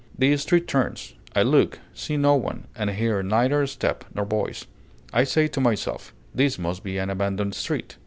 The street turns; I look, see no one, and hear neither step nor voice. I say to myself: "This must be an abandoned street!"